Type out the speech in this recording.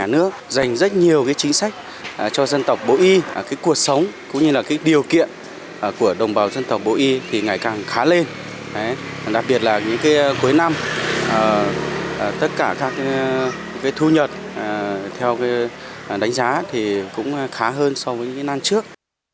ngày càng khá lên đặc biệt là những cuối năm tất cả các thu nhật theo đánh giá thì cũng khá hơn so với những năm trước